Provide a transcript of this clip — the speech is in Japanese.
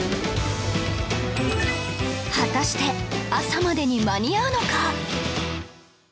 果たして朝までに間に合うのか？